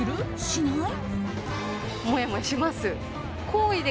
しない？